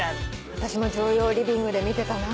私も常陽リビングで見てたな。